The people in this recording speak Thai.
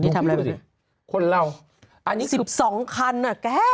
คุณพี่ดูสิคนเราอันนี้๑๒คันอ่ะแก